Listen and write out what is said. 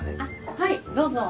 あっはいどうぞ。